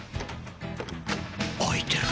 開いてる。